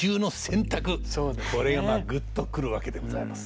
これがぐっと来るわけでございます。